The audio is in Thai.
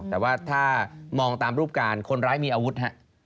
แต่ว่าถ้ามองตามรูปการณ์คนร้ายมีอาวุธฮะ